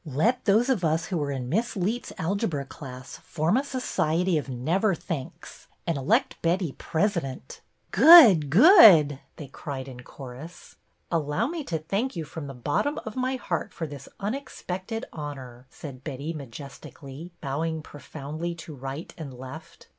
"Let those of us who are in Miss Leet's algebra class form a society of Never Thinks and elect Betty President." " Good ! good !" they cried in chorus. " Allow me to thank you from the bottom of my heart for this unexpected honor," said Betty majestically, bowing profoundly to right and left.